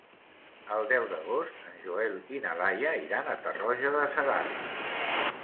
El deu d'agost en Joel i na Laia iran a Tarroja de Segarra.